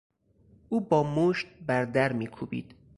او با مشت بر در میکوبید.